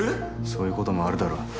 そういう事もあるだろう。